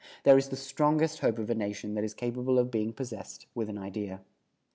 There is the strongest hope of a nation that is capable of being possessed with an idea.